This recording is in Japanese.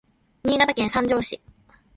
Niigataken sanjo si